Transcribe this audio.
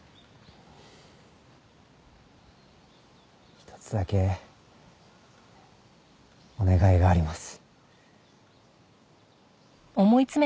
一つだけお願いがあります。